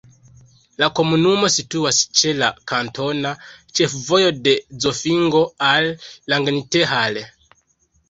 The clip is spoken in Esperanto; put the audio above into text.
La komunumo situas ĉe la kantona ĉefvojo de Zofingo al Langenthal.